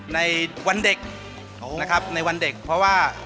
ในวันเด็กนะครับในวันเด็กเพราะว่า